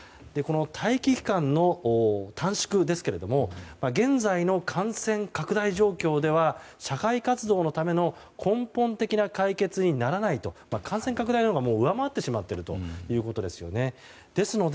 待機期間の短縮ですが現在の感染拡大状況では社会活動のための根本的な解決にならない感染拡大のほうが上回ってしまっているということですね。